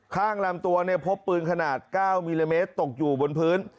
ข้างลำตัวเนี่ยพบปืนขนาด๙มิลลิเมตรตกอยู่บนพื้น